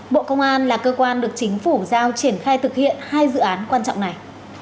bộ công an là cơ quan được chính phủ giao triển khai thực hiện hai dự án quan trọng này